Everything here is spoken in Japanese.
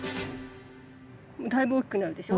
だいぶ大きくなるでしょ。